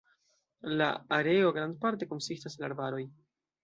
La areo grandparte konsistas el arbaroj.